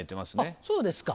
そうですか。